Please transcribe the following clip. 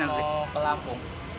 mau ke lampung